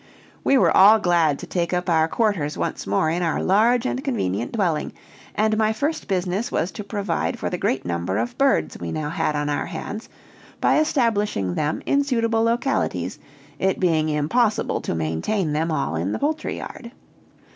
We were all glad to take up our quarters once more in our large and convenient dwelling, and my first business was to provide for the great number of birds we now had on our hands, by establishing them in suitable localities, it being impossible to maintain them all in the poultry yard.